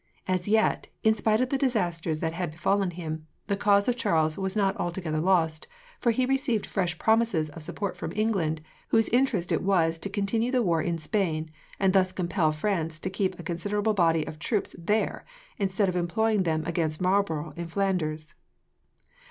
As yet, in spite of the disasters that had befallen him, the cause of Charles was not altogether lost, for he received fresh promises of support from England, whose interest it was to continue the war in Spain, and thus compel France to keep a considerable body of troops there, instead of employing them against Marlborough in Flanders.